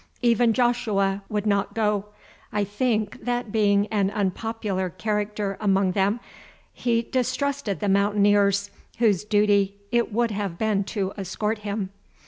Even Joshua would not go; I think, that being an unpopular character among them, he distrusted the Mountaineers, whose duty it would have been to escort him.